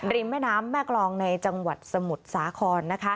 แม่น้ำแม่กรองในจังหวัดสมุทรสาครนะคะ